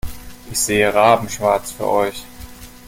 Ich sehe rabenschwarz für euch.